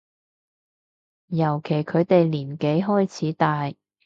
尤其佢哋年紀開始大